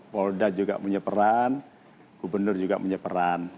polda juga menyeberan gubernur juga menyeberan